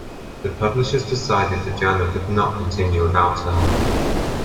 The publishers decided the journal could not continue without her.